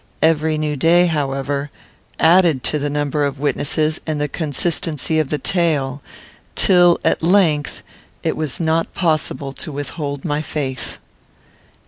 Every new day, however, added to the number of witnesses and the consistency of the tale, till, at length, it was not possible to withhold my faith.